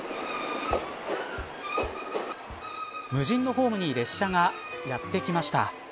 無人のホームに列車がやってきました。